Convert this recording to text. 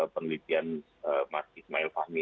penelitian mas ismail fahmi